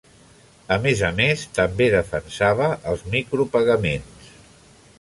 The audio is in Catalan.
A més a més, també defensava els micropagaments.